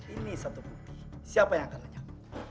ini satu bukti siapa yang akan lenyap